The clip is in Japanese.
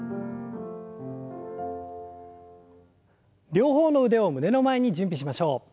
両方の腕を胸の前に準備しましょう。